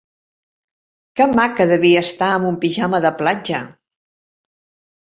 Què maca devia estar amb un pijama de platja!